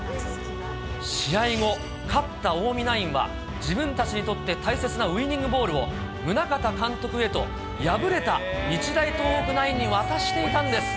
試合後、勝った近江ナインは自分たちにとって大切なウイニングボールを、宗像監督へと、敗れた日大東北ナインに渡していたんです。